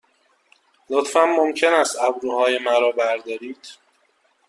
لطفاً ممکن است ابروهای مرا بردارید؟